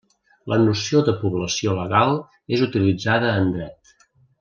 La noció de població legal és utilitzada en dret.